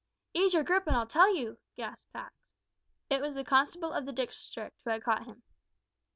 "Ease your grip and I'll tell you," gasped Pax. It was the constable of the district who had caught him.